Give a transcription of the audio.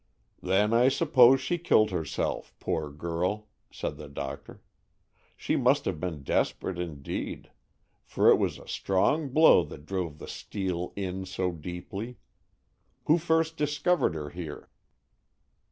"Then I suppose she killed herself, poor girl," said the doctor. "She must have been desperate, indeed, for it was a strong blow that drove the steel in so deeply. Who first discovered her here?"